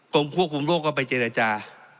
ควบคุมโรคก็ไปเจรจา